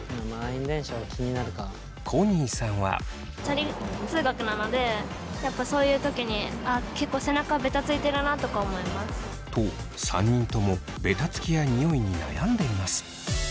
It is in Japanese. コニーさんは。と３人ともベタつきやニオイに悩んでいます。